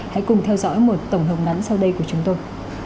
hãy cùng theo dõi một tổng hợp nắng sau đây của chúng tôi